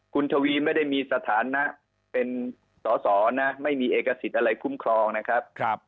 คุณทวีไม่ได้มีสถานะเป็นสอสอนะไม่มีเอกสิทธิ์อะไรคุ้มครองนะครับ